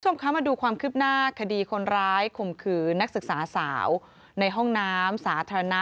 คุณผู้ชมคะมาดูความคืบหน้าคดีคนร้ายข่มขืนนักศึกษาสาวในห้องน้ำสาธารณะ